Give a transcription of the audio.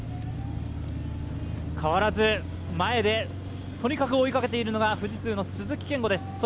変わらず前でとにかく追いかけているのが富士通の鈴木健吾です。